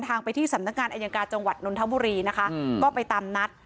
ไปที่สำนักงานอายการจังหวัดนนทบุรีนะคะก็ไปตามนัด